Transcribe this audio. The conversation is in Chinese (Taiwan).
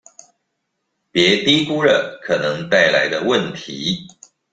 別低估了可能帶來的問題